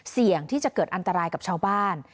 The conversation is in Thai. เสี่ยงที่จะเกิดอันตรายกับชาวบ้าน